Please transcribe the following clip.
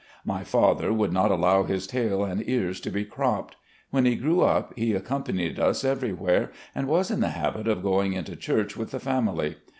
My father would not allow his tail and ears to be cropped. When he grew up, he accompanied us ever3rwhere and was in the habit of going into church with the family.